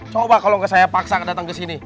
coba kalau nggak saya paksa datang ke sini